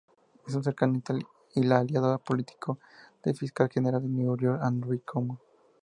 Es un cercano aliado político del fiscal general de Nueva York Andrew Cuomo.